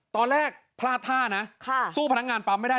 ตอนแรกพลาดท่านะสู้พนักงานปั๊มไม่ได้